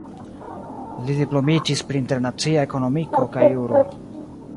Li diplomiĝis pri internacia ekonomiko kaj juro.